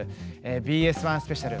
ＢＳ１スペシャル